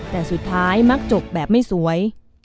แต่สุดท้ายมักจบแบบไม่สวย